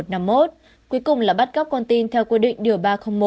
cuối cùng là bắt cóc con tin theo quy định điều ba trăm linh một